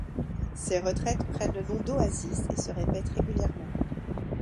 Ces retraites prennent le nom d'Oasis et se répètent régulièrement.